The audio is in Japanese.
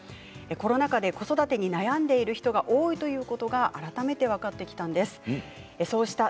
コロナ禍で子育てに悩んでいる人が多いことが改めて分かりました。